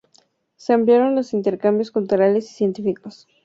Se ampliaron los intercambios culturales y científicos.